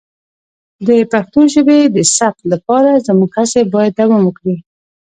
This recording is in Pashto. د پښتو ژبې د ثبت لپاره زموږ هڅې باید دوام وکړي.